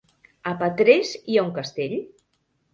A Petrés hi ha un castell?